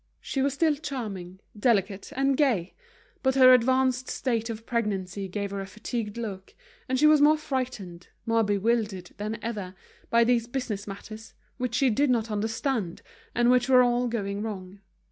She was still charming, delicate, and gay; but her advanced state of pregnancy gave her a fatigued look, and she was more frightened, more bewildered than ever, by these business matters, which she did not understand, and which were all going wrong.